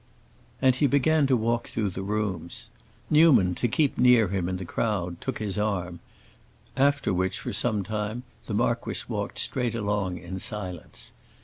And he began to walk through the rooms. Newman, to keep near him in the crowd, took his arm; after which for some time, the marquis walked straight along, in silence.